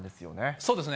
そうですね。